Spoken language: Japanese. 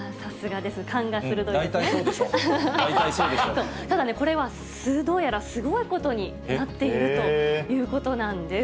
大体そうでしょ、ただね、これはどうやらすごいことになっているということなんです。